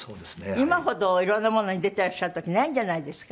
今ほど色んなものに出てらっしゃる時ないんじゃないですか？